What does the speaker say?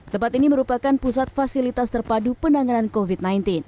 tempat ini merupakan pusat fasilitas terpadu penanganan covid sembilan belas